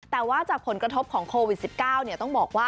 แต่ว่าจากผลกระทบของโควิด๑๙ต้องบอกว่า